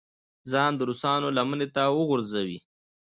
ځان د روسانو لمنې ته وغورځوي.